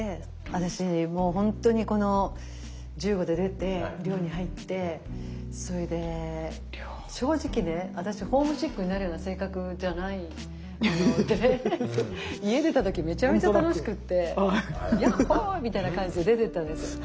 私もう本当にこの１５で出て寮に入ってそれで正直ね私ホームシックになるような性格じゃないので家出た時めちゃめちゃ楽しくって「やっほ」みたいな感じで出ていったんですよ。